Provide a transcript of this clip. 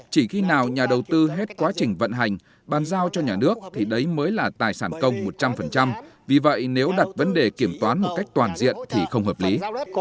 chỉ khi nào nhà đầu tư hết quá trình vận hành bàn giao cho nhà nước thì đấy mới là tài sản công một trăm linh vì vậy nếu đặt vấn đề kiểm toán một cách toàn diện thì không hợp lý